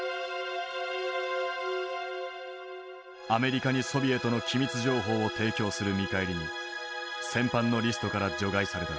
アメリカにソビエトの機密情報を提供する見返りに戦犯のリストから除外された。